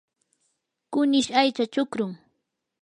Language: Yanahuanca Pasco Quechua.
kunish aycha chukrum.